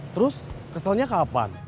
terus keselnya kapan